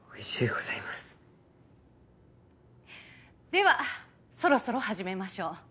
ではそろそろ始めましょう。